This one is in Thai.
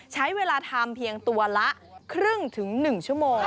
ใช้เวลาทำเพียงตัวละครึ่งถึง๑ชั่วโมง